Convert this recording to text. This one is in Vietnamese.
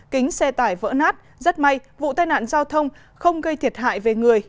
kính xe tải vỡ nát rất may vụ tai nạn giao thông không gây thiệt hại về người